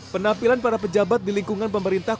penampilan para pejabat di lingkungan pemerintah